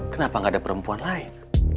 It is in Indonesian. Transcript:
kenapa gak ada perempuan lain